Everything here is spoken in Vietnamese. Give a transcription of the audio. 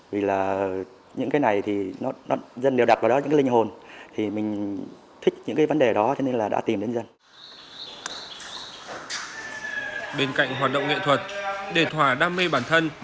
bên cạnh hoạt động nghệ thuật đề thỏa đam mê bản thân